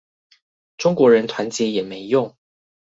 中國人團結也沒用